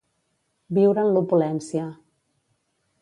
Viure en l'opulència.